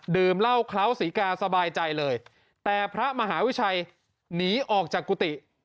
ดื่มเหล้าเคล้าศรีกาสบายใจเลยแต่พระมหาวิชัยหนีออกจากกุฏิ